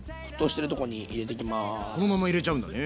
このまま入れちゃうんだね。